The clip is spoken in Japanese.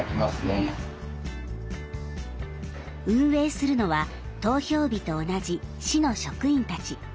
運営するのは投票日と同じ市の職員たち。